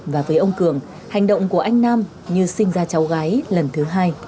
và với ông cường hành động của anh nam như sinh ra cháu gái lần thứ hai